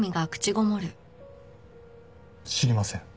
知りません。